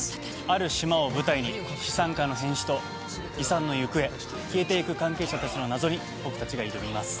ある島を舞台に資産家の変死と遺産の行方消えていく関係者たちの謎に僕たちが挑みます。